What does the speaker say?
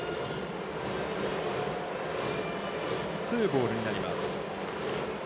ツーボールになります。